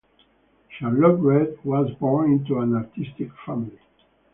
Charlotte Rhead was born into an artistic family.